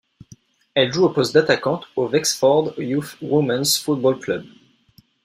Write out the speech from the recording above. Elle joue au poste d'attaquante au Wexford Youths Women's Football Club.